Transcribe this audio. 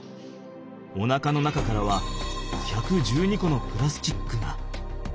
おなかの中からは１１２個のプラスチックが。